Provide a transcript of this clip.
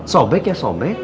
sobek ya sobek